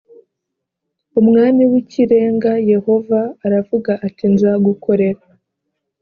umwami w ikirenga yehova aravuga ati nzagukorera